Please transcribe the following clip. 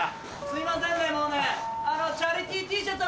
すいません。